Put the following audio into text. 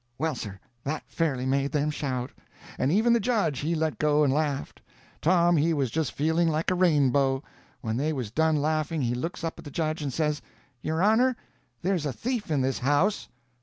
Well, sir, that fairly made them shout; and even the judge he let go and laughed. Tom he was just feeling like a rainbow. When they was done laughing he looks up at the judge and says: "Your honor, there's a thief in this house."